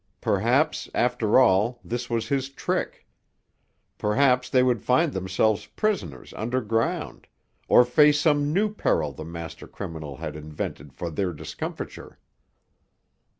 Perhaps, after all, this was his trick. Perhaps they would find themselves prisoners underground, or face some new peril the master criminal had invented for their discomfiture.